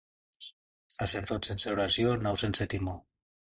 Sacerdot sense oració, nau sense timó.